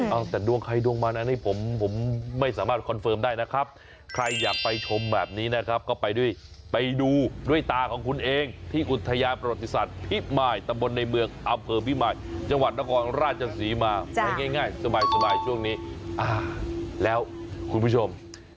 เอาแต่ดวงใครดวงมันอันนี้ผมผมไม่สามารถคอนเฟิร์มได้นะครับใครอยากไปชมแบบนี้นะครับก็ไปด้วยไปดูด้วยตาของคุณเองที่อุทยานประวัติศาสตร์พิมายตำบลในเมืองอำเภอพิมายจังหวัดนครราชศรีมาไปง่ายสบายช่วงนี้อ่าแล้วคุณผู้ชม